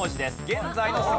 現在の姿。